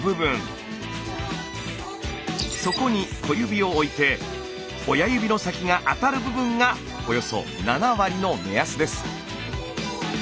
そこに小指を置いて親指の先が当たる部分がおよそ７割の目安です。